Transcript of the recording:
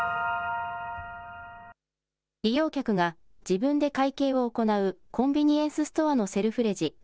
利用客が自分で会計を行う、コンビニエンスストアのセルフレジ。